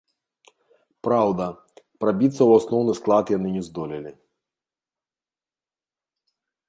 Праўда, прабіцца ў асноўны склад яны не здолелі.